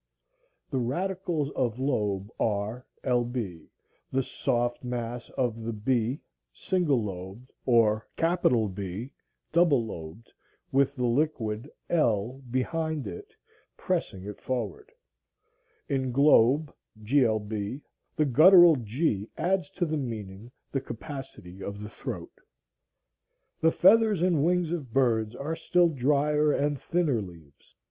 The radicals of lobe are lb, the soft mass of the b (single lobed, or B, double lobed,) with the liquid l behind it pressing it forward. In globe, glb, the guttural g adds to the meaning the capacity of the throat. The feathers and wings of birds are still drier and thinner leaves.